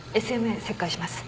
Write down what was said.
ＳＭＡ切開します。